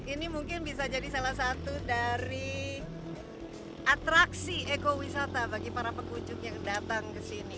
ini mungkin bisa jadi salah satu dari atraksi ekowisata bagi para pengunjung yang datang ke sini